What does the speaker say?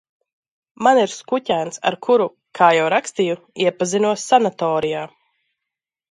Man ir skuķēns, ar kuru, kā jau rakstīju, iepazinos sanatorijā.